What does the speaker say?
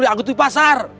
kuliah anggotwi pasar